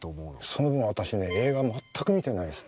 その分私ね映画全く見てないです。